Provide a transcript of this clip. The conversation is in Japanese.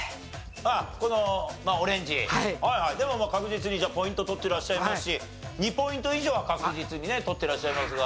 でも確実にポイント取っていらっしゃいますし２ポイント以上は確実にね取っていらっしゃいますが。